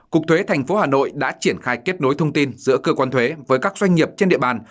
cục thuế thành phố hà nội đã triển khai kết nối thông tin giữa cơ quan thuế với các doanh nghiệp trên địa bàn